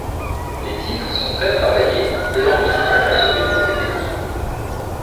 Les titres sont très travaillés, et l'enregistrement se fait long et pénible.